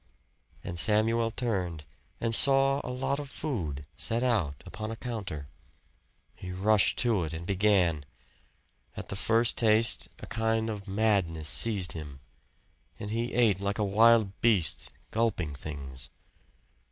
And Samuel turned and saw a lot of food set out upon a counter. He rushed to it and began. At the first taste a kind of madness seized him, and he ate like a wild beast, gulping things.